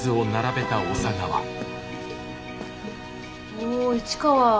お市川。